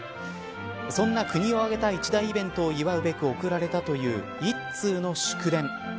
そんな国を挙げた一大イベントを祝うべく送られたという一通の祝電。